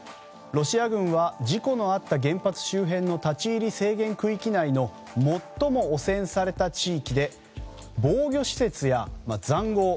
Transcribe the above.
ロシア軍は事故のあった原発周辺の立ち入り制限区域内の最も汚染された地域で防御施設や塹壕。